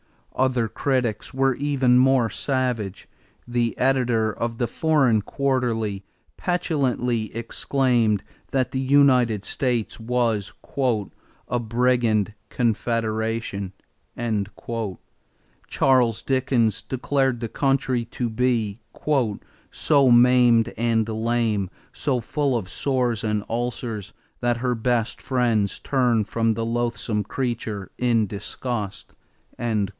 Other critics were even more savage. The editor of the Foreign Quarterly petulantly exclaimed that the United States was "a brigand confederation." Charles Dickens declared the country to be "so maimed and lame, so full of sores and ulcers that her best friends turn from the loathsome creature in disgust."